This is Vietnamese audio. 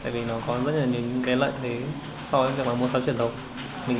tại vì nó có rất là nhiều những cái lợi thế so với việc là mua sắm truyền thống